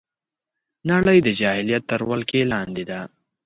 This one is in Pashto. نړۍ د جاهلیت تر ولکې لاندې ده